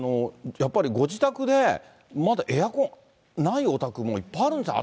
やっぱりご自宅で、まだエアコンないお宅もいっぱいあるんですね。